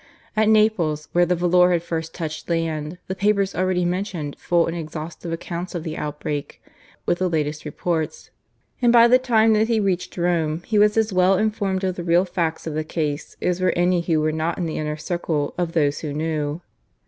At Naples, where the volor had first touched land, the papers already mentioned full and exhaustive accounts of the outbreak, with the latest reports; and by the time that he reached Rome he was as well informed of the real facts of the case as were any who were not in the inner circle of those who knew.